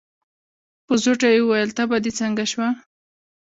په زوټه يې وويل: تبه دې څنګه شوه؟